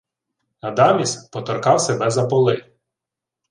Адаміс поторкав себе за поли: